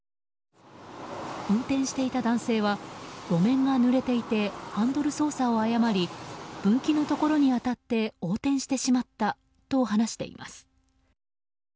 運転していた男性は路面がぬれていてハンドル操作を誤り分岐のところに当たって横転してしまったと話しています。